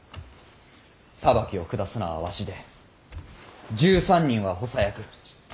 裁きを下すのはわしで１３人は補佐役。